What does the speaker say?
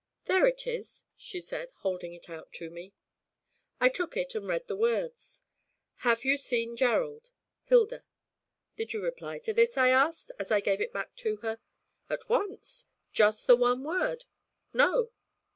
'There it is,' she said, holding it out to me. I took it and read the words: 'Have you seen Gerald? Hilda.' 'Did you reply to this?' I asked, as I gave it back to her. 'At once just the one word, "No."'